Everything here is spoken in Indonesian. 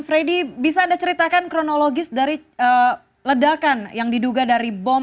freddy bisa anda ceritakan kronologis dari ledakan yang diduga dari bom